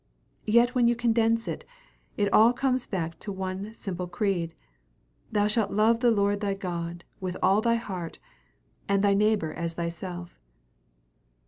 Yet when you condense it, it all comes back to the one simple creed: "Thou shalt love the Lord thy God with all thy heart, and thy neighbor as thyself."